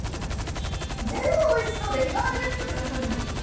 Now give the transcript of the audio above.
全部おいしそうで、日替わりで作ってらっしゃるんですよね。